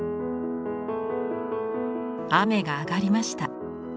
雨が上がりました。